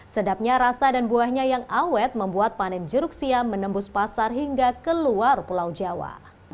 sedapnya rasa dan buahnya yang awet membuat panen jeruk siam menembus pasar hingga keluar pulau jawa